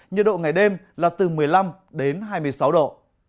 nhiệt độ ngày đêm là từ một mươi năm đến hai mươi sáu độ